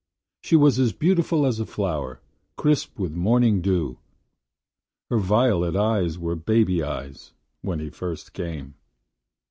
She was as beautiful as a flower, crisp with morning dew. Her violet eyes were baby eyes – when he first came.